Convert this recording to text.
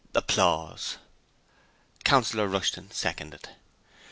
Councillor Rushton seconded.